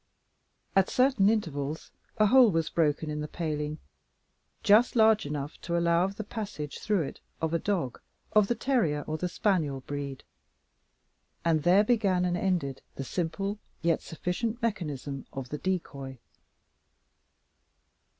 At certain intervals a hole was broken in the paling just large enough to allow of the passage through it of a dog of the terrier or the spaniel breed. And there began and ended the simple yet sufficient mechanism of the decoy.